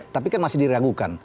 tapi kan masih diragukan